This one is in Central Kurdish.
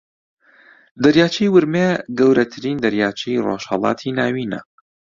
دەریاچەی ورمێ گەورەترین دەریاچەی ڕۆژھەڵاتی ناوینە